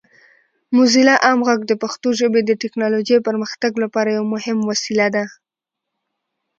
موزیلا عام غږ د پښتو ژبې د ټیکنالوجۍ پرمختګ لپاره یو مهم وسیله ده.